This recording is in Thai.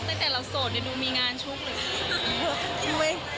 แต่แต่เราโสดดูมีงานชุกเลย